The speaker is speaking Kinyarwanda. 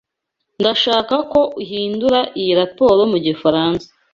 Ndashaka ko uhindura iyi raporo mu gifaransa.